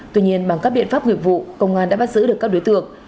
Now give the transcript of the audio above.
tuy nhiên bằng các biện pháp nghiệp vụ công an đã bắt giữ được các đối tượng